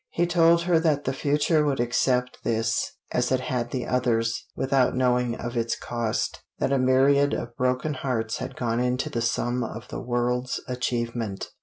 He told her that the future would accept this, as it had the others, without knowing of its cost, that a myriad of broken hearts had gone into the sum of the world's achievement.